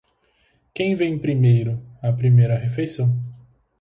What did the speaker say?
Quem vem primeiro, a primeira refeição.